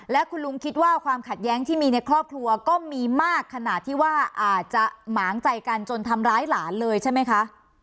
และคุณลุงคิดว่าความขัดแย้งที่มีในครอบครัวก็มีมากขนาดที่ว่าอาจจะหมางใจกันจนทำร้ายหลานเลยใช่ไหมคะ